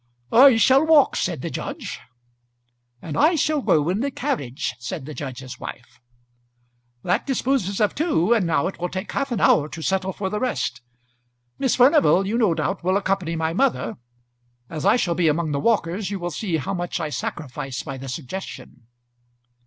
"I shall walk," said the judge. "And I shall go in the carriage," said the judge's wife. "That disposes of two; and now it will take half an hour to settle for the rest. Miss. Furnival, you no doubt will accompany my mother. As I shall be among the walkers you will see how much I sacrifice by the suggestion."